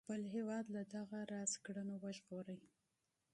خپل هیواد له دغه راز اعمالو وژغوري.